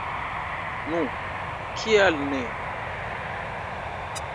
Nu, kial ne?